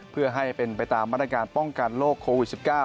เพื่อให้เป็นไปตามมาตรการป้องกันโรคโควิด๑๙